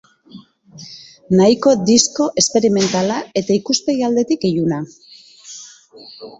Nahiko disko esperimentala eta, ikuspegi aldetik, iluna.